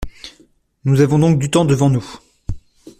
Nous avons donc du temps devant nous.